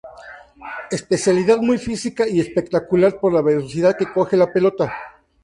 Especialidad muy física y espectacular, por la velocidad que coge la pelota.